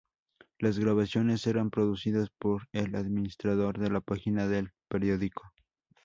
Las grabaciones eran producidas por el administrador de la página del periódico.